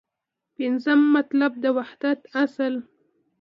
پنځم مطلب : د وحدت اصل